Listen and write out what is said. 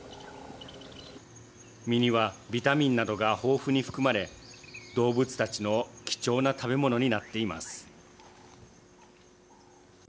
実にはビタミンなどが豊富に含まれ動物たちの貴重な食べ物になっています。